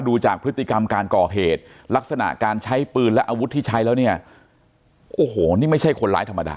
ดูจากพฤติกรรมการกรอกเหตุลักษณะการใช้ปืนและอาวุธที่ใช้แล้วเนี่ย